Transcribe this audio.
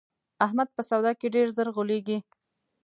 احمد په سودا کې ډېر زر غولېږي.